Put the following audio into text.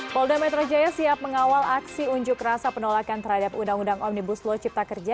polda metro jaya siap mengawal aksi unjuk rasa penolakan terhadap undang undang omnibus law cipta kerja